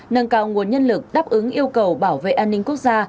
nâng cao nguồn nhân lực đáp ứng yêu cầu bảo vệ an ninh quốc gia